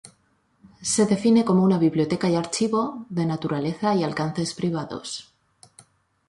Se define como una biblioteca y archivo de naturaleza y alcances privados.